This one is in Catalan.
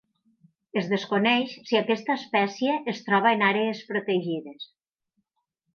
Es desconeix si aquesta espècie es troba en àrees protegides.